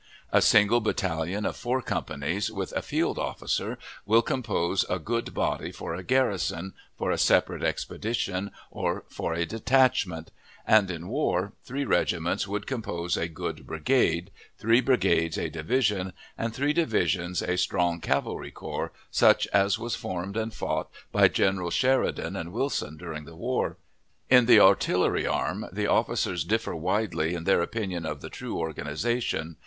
A single battalion of four companies, with a field officer, will compose a good body for a garrison, for a separate expedition, or for a detachment; and, in war, three regiments would compose a good brigade, three brigades a division, and three divisions a strong cavalry corps, such as was formed and fought by Generals Sheridan and Wilson during the war. In the artillery arm, the officers differ widely in their opinion of the true organization.